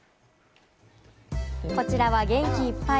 こちらは元気いっぱい！